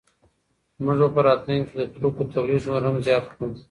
موږ به په راتلونکي کي د توکو تولید نور هم زیات کړو.